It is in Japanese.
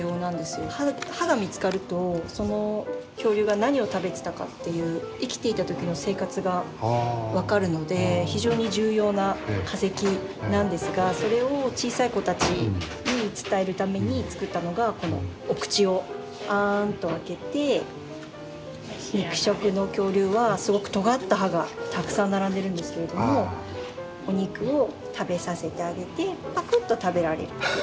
歯が見つかるとその恐竜が何を食べてたかという生きていた時の生活が分かるので非常に重要な化石なんですがそれを小さい子たちに伝えるために作ったのがこのお口をあんと開けて肉食の恐竜はすごくとがった歯がたくさん並んでるんですけれどもお肉を食べさせてあげてぱくっと食べられる。